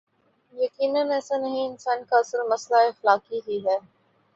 یقینا ایسا نہیں انسان کا اصل مسئلہ اخلاقی ہی ہے۔